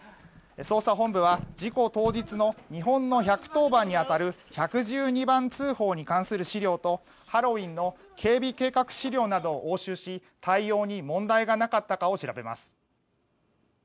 捜査本部は、事故当日の日本の１１０番に当たる１１２番通報に関する資料とハロウィーンの警備計画資料などを押収し対応に問題がなかったかを調べます。